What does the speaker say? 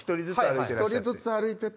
１人ずつ歩いてらして。